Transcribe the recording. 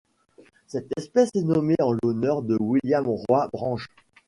Cette espèce est nommée en l'honneur de William Roy Branch.